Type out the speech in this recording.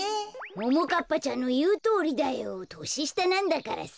ももかっぱちゃんのいうとおりだよ。とししたなんだからさ。